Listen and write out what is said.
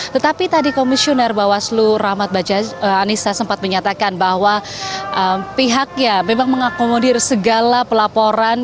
tetapi tadi komisioner bawaslu rahmat baja anissa sempat menyatakan bahwa pihaknya memang mengakomodir segala pelaporan